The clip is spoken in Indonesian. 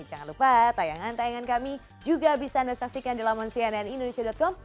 jangan lupa tayangan tayangan kami juga bisa anda saksikan di laman cnnindonesia com